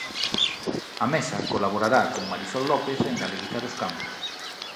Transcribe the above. A Mesa colaborará con Marisol López en galeguizar os campus